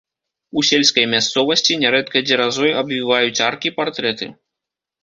У сельскай мясцовасці нярэдка дзеразой абвіваюць аркі, партрэты.